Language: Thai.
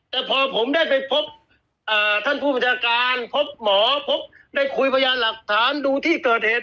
แต่พอผมได้ไปพบท่านผู้บัญชาการพบหมอพบได้คุยพยานหลักฐานดูที่เกิดเหตุ